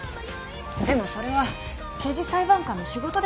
でもそれは刑事裁判官の仕事でしょうか。